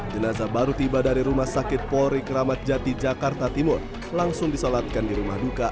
jenazah baru tiba dari rumah sakit polri kramat jati jakarta timur langsung disolatkan di rumah duka